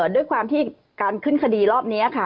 ด้วยความที่การขึ้นคดีรอบนี้ค่ะ